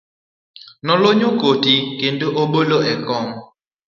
Nolonyo koti kendo obolo e kom.